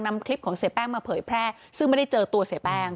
นำคลิปของเสียแป้งมาเผยแพร่ซึ่งไม่ได้เจอตัวเสียแป้ง